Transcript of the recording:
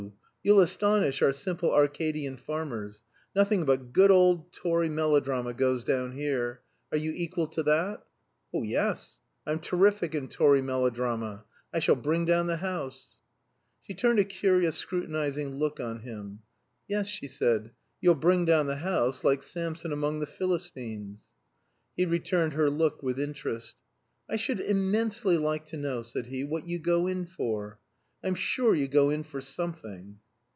You'll astonish our simple Arcadian farmers. Nothing but good old Tory melodrama goes down here. Are you equal to that?" "Oh yes. I'm terrific in Tory melodrama. I shall bring down the house." She turned a curious scrutinizing look on him. "Yes," said she, "you'll bring down the house like Samson among the Philistines." He returned her look with interest. "I should immensely like to know," said he, "what you go in for. I'm sure you go in for something."